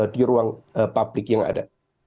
di ruang publik yang ada